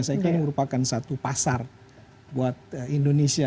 saya kira ini merupakan satu pasar buat indonesia